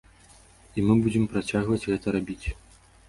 І мы будзем працягваць гэта рабіць.